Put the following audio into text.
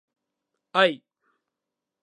愛